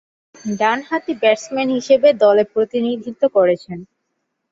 ডানহাতি ব্যাটসম্যান হিসেবে দলে প্রতিনিধিত্ব করছেন।